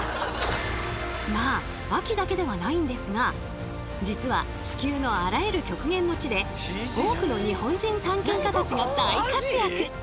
まあ秋だけではないんですが実は地球のあらゆる極限の地で多くの日本人探検家たちが大活躍！